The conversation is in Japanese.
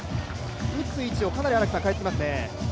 打つ位置をかなり変えていますね。